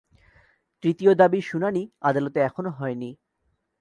তৃতীয় দাবির শুনানি আদালতে এখনো হয়নি।